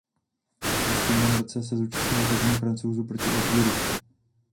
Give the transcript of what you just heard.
Ve stejném roce se zúčastnil tažení Francouzů proti Alžíru.